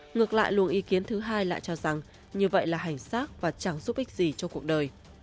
ngược lại luồng ý kiến thứ hai lại cho rằng như vậy là hành xác và chẳng giúp ích gì cho cuộc đời